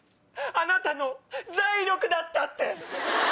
あなたの財力だったって！